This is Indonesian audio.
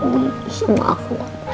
main sama aku aja